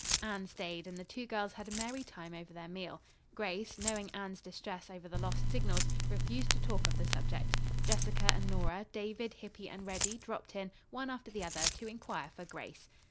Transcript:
Anne stayed, and the two girls had a merry time over their meal. Grace, knowing Anne's distress over the lost signals, refused to talk of the subject. Jessica and Nora, David, Hippy and Reddy dropped in, one after the other, to inquire for Grace.